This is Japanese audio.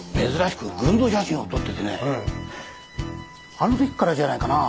あの時からじゃないかな？